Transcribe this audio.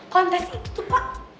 kontes itu tuh pak